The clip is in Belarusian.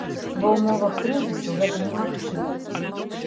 Ва ўмовах крызісу гэта немагчыма.